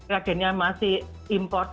kegennya masih import